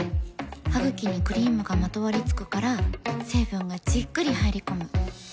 ハグキにクリームがまとわりつくから成分がじっくり入り込む。